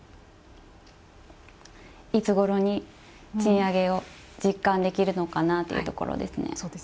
いつごろに賃上げを実感できるのかなというところですね。